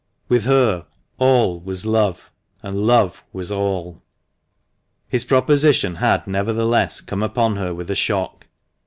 With her all was love, and love was all. His proposition had, nevertheless, come upon her with a shock.